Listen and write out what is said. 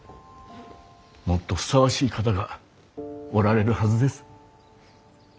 もっとふさわしい方がおられるはずです。